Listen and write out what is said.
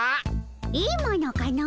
いいものかの？